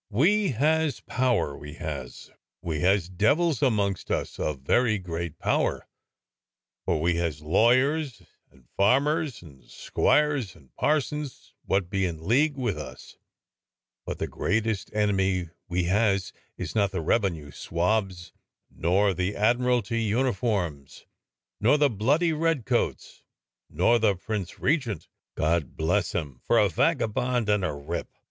We has power, we hasj we has devils amongst us of very great power, for we has lawyers, and farmers, and squires, and parsons wot be in league with us, but the greatest enemy we has is not the revenue swabs, nor the Admiralty uniforms, nor the bloody red coats, nor the Prince Regent — God bless him for a vaga bond and a *rip!'